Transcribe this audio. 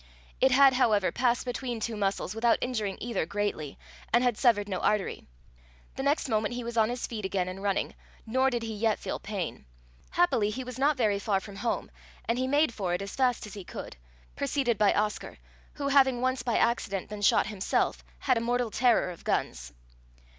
It had, however, passed between two muscles without injuring either greatly, and had severed no artery. The next moment he was on his feet again and running, nor did he yet feel pain. Happily he was not very far from home, and he made for it as fast as he could preceded by Oscar, who, having once by accident been shot himself, had a mortal terror of guns.